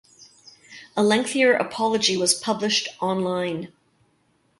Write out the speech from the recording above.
A lengthier apology was published online.